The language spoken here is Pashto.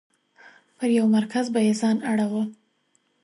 پر یو مرکز به یې ځان اړوه.